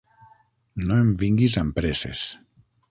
No em vinguis amb presses.